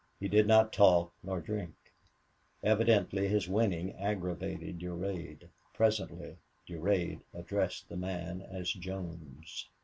He did not talk nor drink. Evidently his winning aggravated Durade. Presently Durade addressed the man as Jones.